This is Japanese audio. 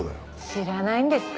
知らないんですか？